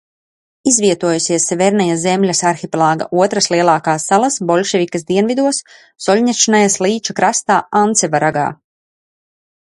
Izvietojusies Severnaja Zemļas arhipelāga otras lielākās salas Boļševikas dienvidos, Solņečnajas līča krastā Anceva ragā.